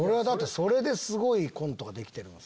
それですごいコントができてる。